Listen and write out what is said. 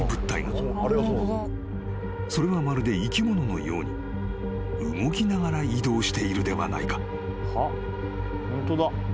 ［それはまるで生き物のように動きながら移動しているではないか］